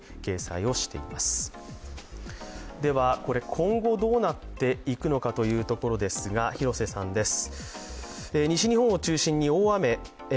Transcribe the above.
今後どうなっていくのかというところですが、広瀬さんです。